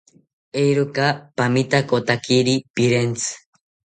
Eeroka pamitakotakiri pirentzi